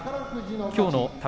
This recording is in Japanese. きょうの宝